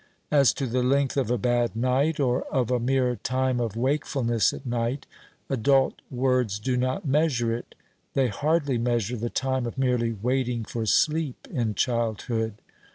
As to the length of a bad night, or of a mere time of wakefulness at night, adult words do not measure it; they hardly measure the time of merely waiting for sleep in childhood.